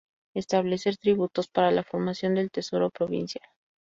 Establecer tributos para la formación del tesoro provincial.